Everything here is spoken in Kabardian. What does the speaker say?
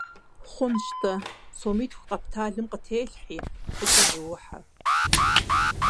Хъунщ-тӀэ, сомитху къэпталым къытелъхьи, фӀыкӀэ зыухьэ.